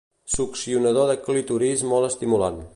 Succionador de clítoris molt estimulant.